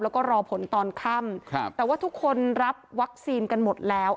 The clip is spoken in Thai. แล้วก็รอผลตอนค่ำแต่ว่าทุกคนรับวัคซีนกันหมดแล้ว